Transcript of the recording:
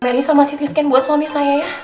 mari sama si t scan buat suami saya ya